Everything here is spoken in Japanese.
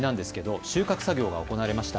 収穫作業が行われました。